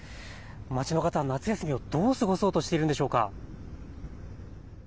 街の方、夏休みをどう過ごそうとしているんでしょうか。